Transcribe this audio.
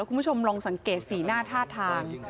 คุณผู้ชมลองสังเกตสีหน้าท่าทาง